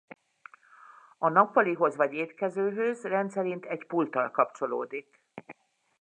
A nappalihoz vagy étkezőhöz rendszerint egy pulttal kapcsolódik.